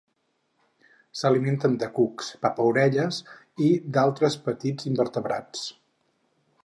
S'alimenten de cucs, papaorelles, i d'altres petits invertebrats.